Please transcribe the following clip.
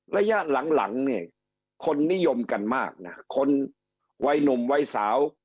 ระยะหลังคนนิยมกันมากนะคนวัยหนุ่มวัยสาว